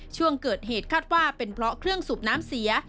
ช่วงเกิดเหตุคาดว่าเป็นเพราะเครื่องสูบน้ำเสีย